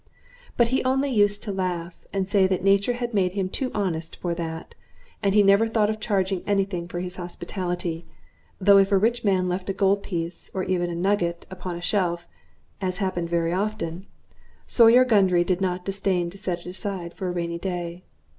But he only used to laugh, and say that nature had made him too honest for that; and he never thought of charging any thing for his hospitality, though if a rich man left a gold piece, or even a nugget, upon a shelf, as happened very often, Sawyer Gundry did not disdain to set it aside for a rainy day.